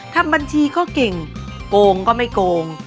ทำบัญชีก็เก่งโกงก็ไม่โกง